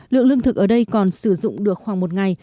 lượng lương thực ở đây còn sử dụng được khoảng một ngày